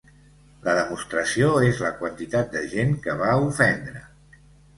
La demostració és la quantitat de gent que va ofendre.